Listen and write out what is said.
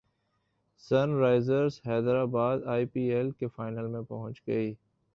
sun Risers Hyderabad I P L کے final میں پہنچ گئی